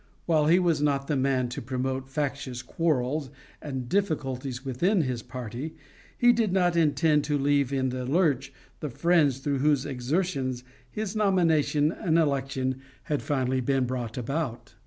While he was not the man to promote factious quarrels and difficulties within his party, he did not intend to leave in the lurch the friends through whose exertions his nomination and election had finally been brought about.